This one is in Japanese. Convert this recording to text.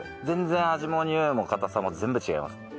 全然味もにおいも堅さも全部違います。